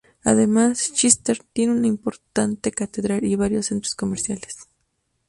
Además, Chester tiene una importante catedral y varios centros comerciales.